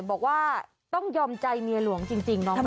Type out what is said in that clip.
บอกว่าต้องยอมใจเมียหลวงจริงน้อง